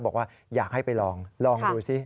บอกว่าอยากให้ไปลองลองดูซิ